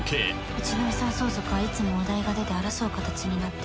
「うちの遺産相続はいつもお題が出て争う形になって」